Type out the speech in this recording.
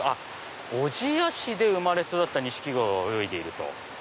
小千谷市で生まれ育った錦鯉が泳いでると。